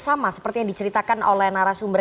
sama seperti yang diceritakan oleh narasumber